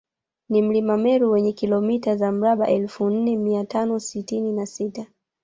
Ni mlima Meru wenye kilomita za mraba elfu nne mia tano sitini na sita